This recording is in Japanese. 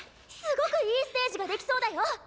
すごくいいステージが出来そうだよ！